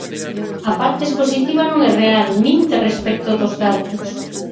A parte expositiva non é real, minte respecto dos datos.